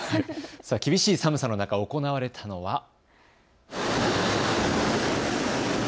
厳しい寒さの中、行われたのは。